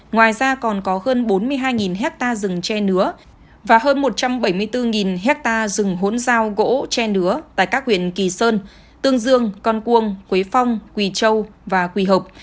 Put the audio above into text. ngoài ra còn có hơn bốn mươi hai hectare rừng che nứa và hơn một trăm bảy mươi bốn hectare rừng hốn giao gỗ che nứa tại các huyện kỳ sơn tương dương con cuông quế phong quỳ châu và quỳ hợp